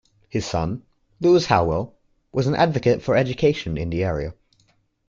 His son, Lewis Howell, was an advocate for education in the area.